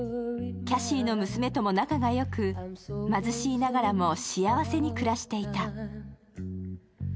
キャシーの娘とも仲が良く、貧しながらも幸せに暮らしていた。